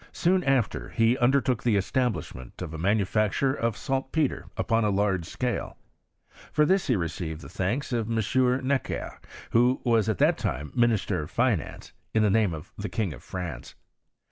Soon after he undertook the establishment of a manufacture of saltpetre upon a large scale. For this he received the thanks of M. Necker, who was at that time minister of finance, in the name of the King of France.